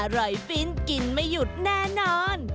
อร่อยฟินกินไม่หยุดแน่นอน